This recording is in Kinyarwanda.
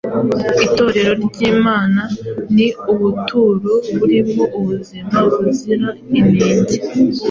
Itorero ry’Imana ni ubuturo burimo ubuzima buzira inenge,